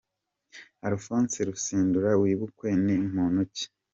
Alphonse Rutsindura wibukwa ni muntu ki?.